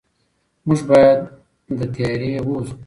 موږ باید له تیارې ووځو.